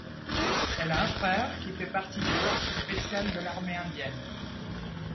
Elle a un frère qui fait partie des forces spéciales de l'armée indienne.